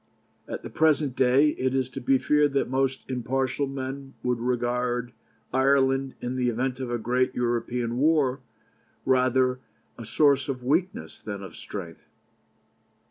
At the present day, it is to be feared that most impartial men would regard Ireland, in the event of a great European war, rather as a source of weakness than of strength.